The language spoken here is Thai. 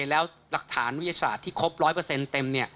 แล้วหลักฐานวิทยาศาสตร์ที่ครบ๑๐๐เต็ม